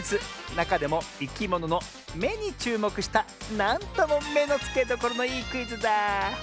なかでもいきものの「め」にちゅうもくしたなんともめのつけどころのいいクイズだ。